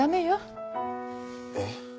えっ？